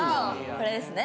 これですね。